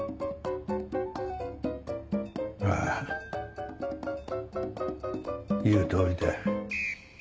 ああ言う通りだ。